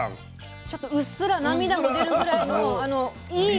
ちょっとうっすら涙が出るぐらいのあのいい。